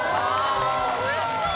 おいしそう！